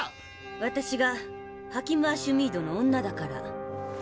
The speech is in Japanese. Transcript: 私がハキム・アシュミードの女だから。